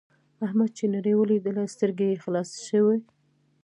احمد چې نړۍ ولیدله سترګې یې خلاصې شولې.